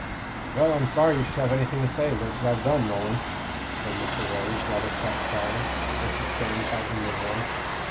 "Well, I'm sorry you should have anything to say against what I've done, Nolan," said Mr. Rose, rather crestfallen, though sustained by inward warmth.